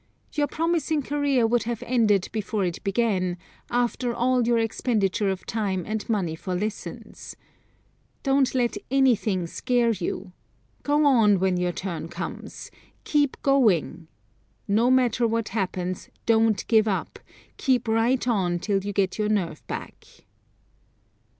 Your promising career would have ended before it began, after all your expenditure of time and money for lessons. Don't let anything scare you. Go on when your turn comes. Keep going. No matter what happens, don't give up keep right on till you get your nerve back.